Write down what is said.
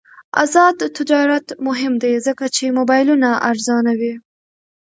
آزاد تجارت مهم دی ځکه چې موبایلونه ارزانوي.